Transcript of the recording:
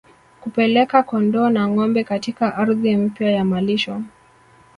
Kupeleka kondoo na ngombe katika ardhi mpya ya malisho